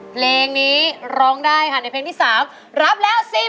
เพลงนี้ร้องได้หันในเพลงที่๓รับแล้ว๔๐๐๐๐บาท